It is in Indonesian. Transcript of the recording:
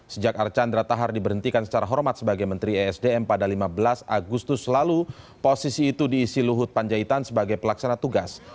sejak arcandra tahar diberhentikan secara hormat sebagai menteri esdm pada lima belas agustus lalu posisi itu diisi luhut panjaitan sebagai pelaksana tugas